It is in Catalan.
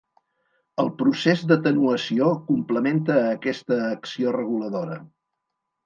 El procés d'atenuació complementa aquesta acció reguladora.